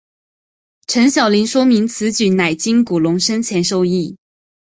陈晓林说明此举乃经古龙生前授意。